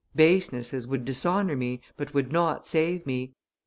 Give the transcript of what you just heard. Basenesses would dishonor me, but would not save me.